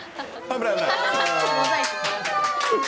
危ない。